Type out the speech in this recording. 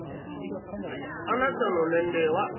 「あなたの年齢は？」。